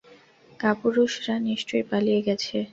কাপুরুষরা নিশ্চয়ই পালিয়ে গেছে।